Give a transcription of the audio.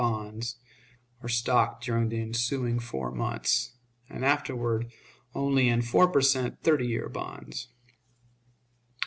bonds or stock during the ensuing four months, and afterward only in four per cent. thirty years bonds.